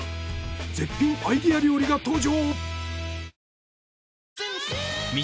絶品アイデア料理が登場！